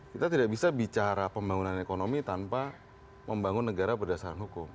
kita tidak bisa bicara pembangunan ekonomi tanpa membangun negara berdasarkan hukum